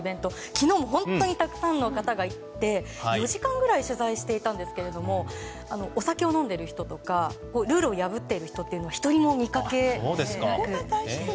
昨日も本当にたくさんの方がいて４時間ぐらい取材していたんですがお酒を飲んでいる人などルールを破っている人は１人も見かけなくて。